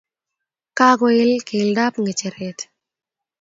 Kakoil keldap ngecheret